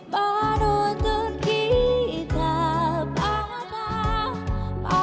menuntun kita pada